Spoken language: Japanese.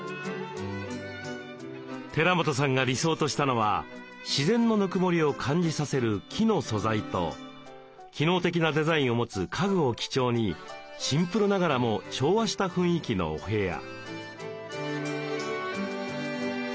寺本さんが理想としたのは自然のぬくもりを感じさせる木の素材と機能的なデザインを持つ家具を基調にシンプルながらも調和した雰囲気のお部屋。